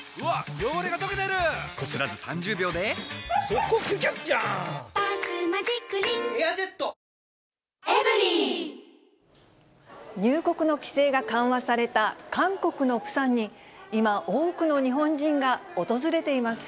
サントリー「セサミン」入国の規制が緩和された韓国のプサンに、今、多くの日本人が訪れています。